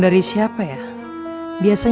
nanti mama dateng